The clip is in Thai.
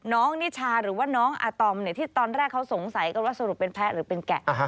นิชาหรือว่าน้องอาตอมที่ตอนแรกเขาสงสัยกันว่าสรุปเป็นแพ้หรือเป็นแกะ